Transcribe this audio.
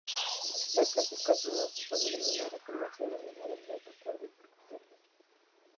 La clasificación más usada de manera convencional es la de viento, cuerda y percusión.